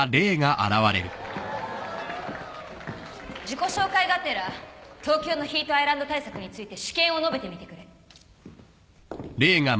自己紹介がてら東京のヒートアイランド対策について私見を述べてみてくれ。